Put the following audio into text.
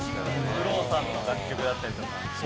ＦＬＯＷさんの楽曲だったりとか。